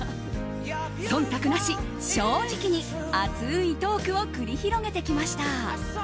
忖度なし、正直に熱いトークを繰り広げてきました。